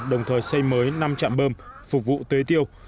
đồng thời xây mới năm trạm bơm phục vụ tưới tiêu